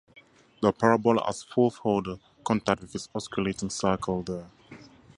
The parabola has fourth order contact with its osculating circle there.